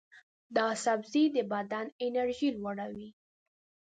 دا سبزی د بدن انرژي لوړوي.